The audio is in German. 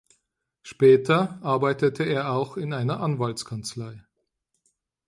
Später arbeitete er auch in einer Anwaltskanzlei.